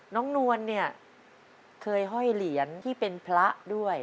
นวลเนี่ยเคยห้อยเหรียญที่เป็นพระด้วย